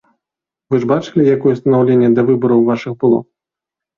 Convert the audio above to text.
Вы ж бачылі, якое стаўленне да выбараў вашых было.